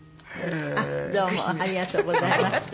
あっどうもありがとうございました。